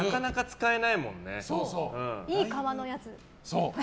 いい革のやつ。